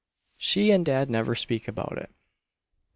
She and dad never speak about it."